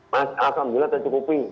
masih alhamdulillah tercukupi